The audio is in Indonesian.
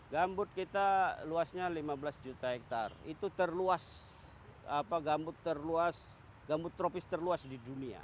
gambut kita luasnya lima belas juta hektare itu terluas gambut terluas gambut tropis terluas di dunia